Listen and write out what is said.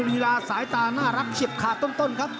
ลีลาสายตาน่ารักเฉียบขาดต้นครับ